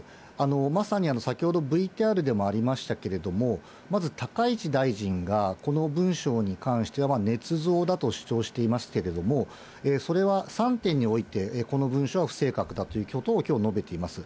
まさに先ほどＶＴＲでもありましたけれども、まず高市大臣がこの文書に関してはねつ造だと主張していましたけれども、それは３点において、この文書は不正確だということをきょう述べています。